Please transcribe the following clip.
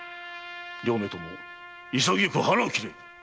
両名とも潔く腹を切れ！